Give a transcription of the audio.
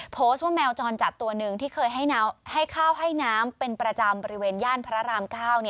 โพสต์ว่าแมวจรจัดตัวหนึ่งที่เคยให้ข้าวให้น้ำเป็นประจำบริเวณย่านพระราม๙